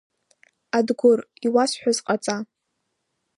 Адгәыр, иуасҳәаз ҟаҵа.